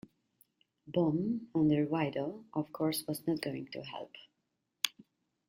Baume, under Wido, of course was not going to help.